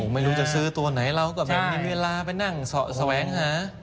ไม่รู้จะซื้อตัวไหนเราก็ไม่มีเวลาไปนั่งแสวงหา